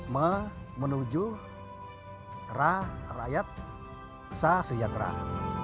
memenuhi rakyat sesuja terang